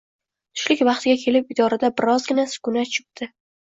Tushlik vaqtiga kelib idorada birozgina sukunat cho`kdi